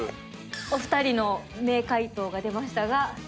お二人の名解答が出ましたが。